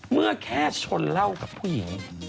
แค่ชนเหล้ากับผู้หญิง